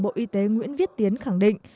bộ y tế nguyễn viết tiến khẳng định